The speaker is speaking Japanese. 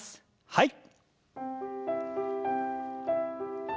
はい。